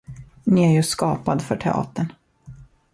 Ni är ju skapad för teatern.